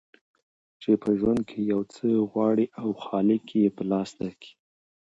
چي په ژوند کي یو څه غواړې او خالق یې په لاس درکي